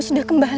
aku bencimu rai